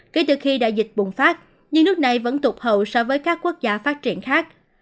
kể từ khi đại dịch bùng phát nhưng nước này vẫn tụt hậu so với các quốc gia phát triển khác